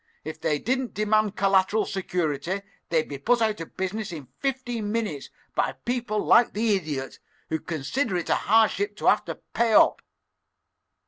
If they didn't demand collateral security they'd be put out of business in fifteen minutes by people like the Idiot, who consider it a hardship to have to pay up."